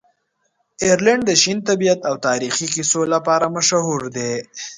آیرلنډ د شین طبیعت او تاریخي کیسو لپاره مشهوره دی.